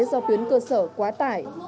do tuyến cơ sở quá tải